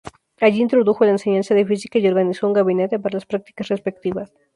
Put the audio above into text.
Allí introdujo la enseñanza de Física y organizó un gabinete para las prácticas respectivas.